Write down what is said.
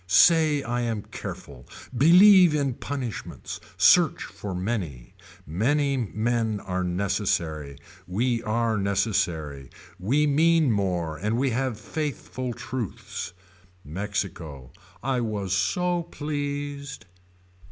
Say I am careful. Believe in punishments. Search for many. Many men are necessary. We are necessary. We mean more and we have faithful truths. Mexico. I was so pleased.